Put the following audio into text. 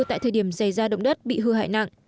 tại thời điểm xảy ra động đất bị hư hại nặng